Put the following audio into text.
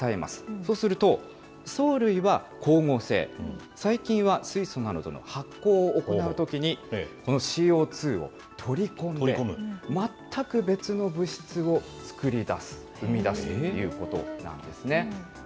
そうすると、藻類は光合成、細菌は水素などとの発酵を行うときに、このＣＯ２を取り込む、全く別の物質を作り出す、生み出すということなんですね。